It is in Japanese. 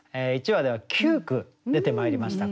１話では９句出てまいりました。